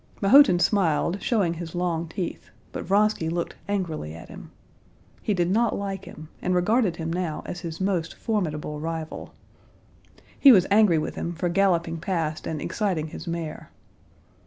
Mahotin smiled, showing his long teeth, but Vronsky looked angrily at him. He did not like him, and regarded him now as his most formidable rival. He was angry with him for galloping past and exciting his mare.